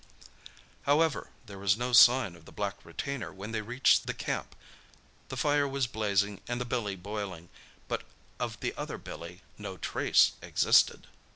However, there was no sign of the black retainer when they reached the camp. The fire was blazing and the billy boiling, but of the other Billy no trace existed.